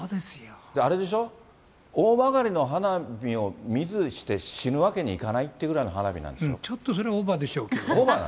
あれでしょ、大曲の花火を見ずして死ぬわけにいかないってくらいの花火なんでちょっとそれはオーバーでしょうけど。